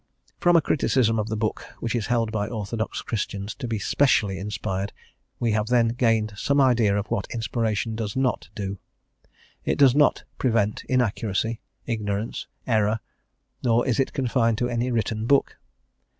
From a criticism of the book, which is held by orthodox Christians, to be specially inspired, we have then gained some idea of what inspiration does not do. It does not prevent inaccuracy, ignorance, error, nor is it confined to any written book.